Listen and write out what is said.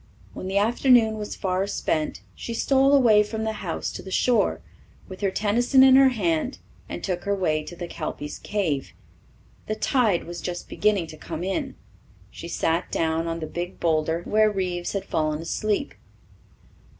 When the afternoon was far spent she stole away from the house to the shore, with her Tennyson in her hand, and took her way to the Kelpy's Cave. The tide was just beginning to come in. She sat down on the big boulder where Reeves had fallen asleep.